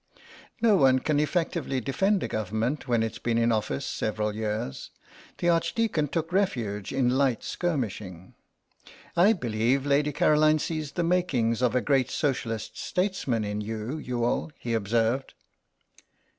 No one can effectively defend a Government when it's been in office several years. The Archdeacon took refuge in light skirmishing. "I believe Lady Caroline sees the makings of a great Socialist statesman in you, Youghal," he observed.